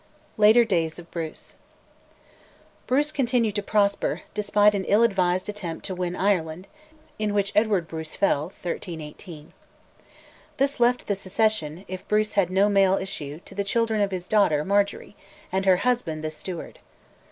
LATER DAYS OF BRUCE. Bruce continued to prosper, despite an ill advised attempt to win Ireland, in which Edward Bruce fell (1318.) This left the succession, if Bruce had no male issue, to the children of his daughter, Marjory, and her husband, the Steward.